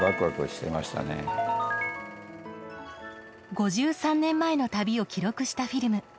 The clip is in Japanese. ５３年前の旅を記録したフィルム。